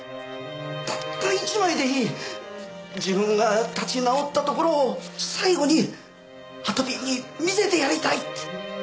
たった１枚でいい自分が立ち直ったところを最後にあとぴんに見せてやりたいって。